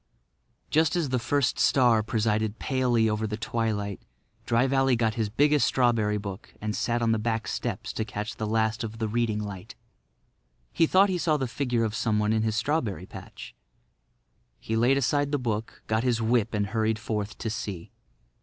Just as the first star presided palely over the twilight Dry Valley got his biggest strawberry book and sat on the back steps to catch the last of the reading light. He thought he saw the figure of someone in his strawberry patch. He laid aside the book, got his whip and hurried forth to see.